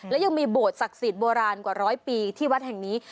และยังมีโบสถศักดิ์สิทธิโบราณกว่าร้อยปีที่วัดแห่งนี้